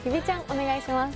お願いします